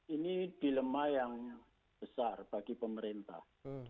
ini dilema yang besar bagi pemerintah